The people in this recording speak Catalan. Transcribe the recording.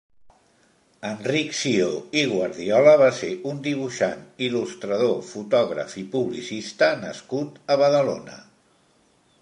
Enric Sió i Guardiola va ser un dibuixant, il·lustrador, fotògraf i publicista nascut a Badalona.